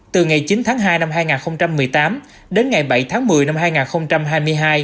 từ ngày chín tháng hai năm hai nghìn một mươi tám đến ngày bảy tháng một mươi năm hai nghìn hai mươi hai